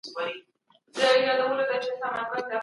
هغوی په تېرو وختونو کي د خپل نفس د روزنې لپاره ځانګړي تدابیر لرل.